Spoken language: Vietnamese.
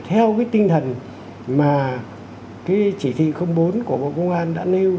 theo cái tinh thần mà cái chỉ thị bốn của bộ công an đã nêu